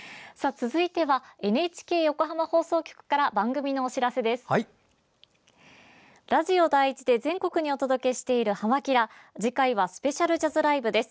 続いて、ＮＨＫ横浜放送局から番組のお知らせです。